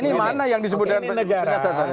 ini mana yang disebut dengan penyesatan